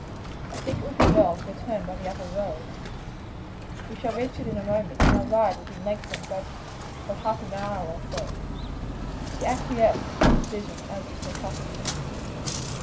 "I think it would be well to return by the other road; we shall reach it in a moment, and our ride will be lengthened by but a half mile or so." She acquiesced in his decision, as was her custom.